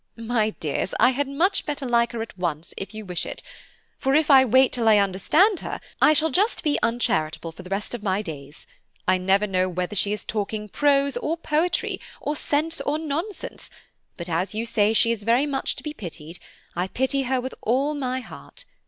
"My dears, I had much better like her at once, if you wish it; for if I wait till I understand her, I shall just be uncharitable for the rest of my days. I never know whether she is talking prose or poetry, or sense or nonsense; but as you say she is very much to be pitied, I pity her with all my heart.